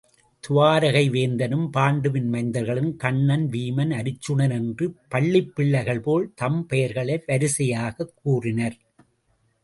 துவாரகை வேந்தனும் பாண்டுவின் மைந்தர்களும் கண்ணன், வீமன், அருச்சுனன் என்று பள்ளிப்பிள்ளைகள் போல் தம் பெயர்களை வரிசையாகக் கூறினர்.